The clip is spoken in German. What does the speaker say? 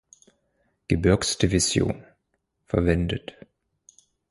Gebirgsdivision" verwendet.